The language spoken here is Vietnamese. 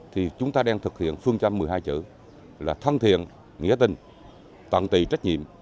thì chúng ta đang thực hiện phương châm một mươi hai chữ là thân thiện nghĩa tình tận tì trách nhiệm